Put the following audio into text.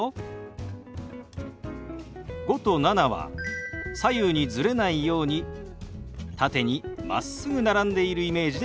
「５」と「７」は左右にズレないように縦にまっすぐ並んでいるイメージで表現します。